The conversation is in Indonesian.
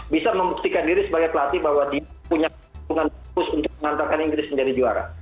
bisa membuktikan diri sebagai pelatih bahwa dia punya hubungan khusus untuk mengantarkan inggris menjadi juara